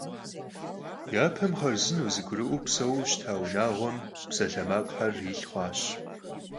Yapem xharzıneu zegurı'ueu pseuue şıta vunağuem psalhemakhxer yilh xhuaş.